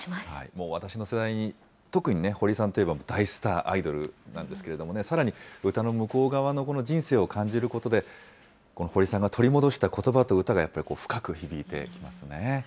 もう、私の世代、特に堀さんといえば、大スター、アイドルなんですけれどもね、さらに、歌の向こう側の人生を感じることで、この堀さんが取り戻したことばと歌がやっぱり、深く響いてきますね。